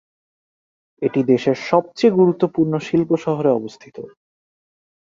এটি দেশের সবচেয়ে গুরুত্বপূর্ণ শিল্প শহরে অবস্থিত।